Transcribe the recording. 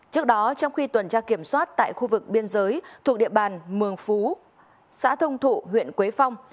trước đó trong khi tuần tra kiểm soát tại khu vực biên giới thuộc địa bàn mường xã thông thụ huyện quế phong